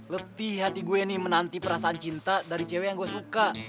letih hati gue nih menanti perasaan cinta dari cewek yang gue suka